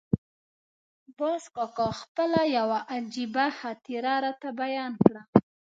باز کاکا خپله یوه عجیبه خاطره راته بیان کړه.